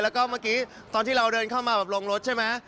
แล้วก็เมื่อกี้ตอนที่เราเดินเข้ามาแบบลงรถใช่ไหม